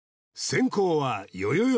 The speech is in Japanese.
先攻はよよよ